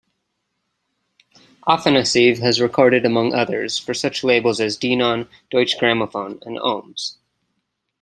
Afanassiev has recorded among others for such labels as Denon, Deutsche Grammophone, and Oehms.